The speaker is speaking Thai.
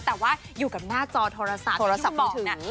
แต่ว่าอยู่กับหน้าจอโทรศัพท์ที่คุณบอก